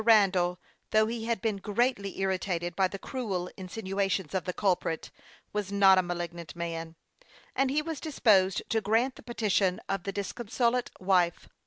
Randall, though he had been greatly irritated by the cruel insinuations of the culprit, was not a malignant man ; and he was disposed to grant the petition of the disconsolate wife.